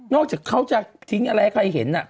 จากเขาจะทิ้งอะไรให้ใครเห็น